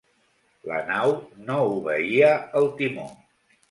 La nau no obeïa el timó.